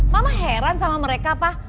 mama heran sama mereka pak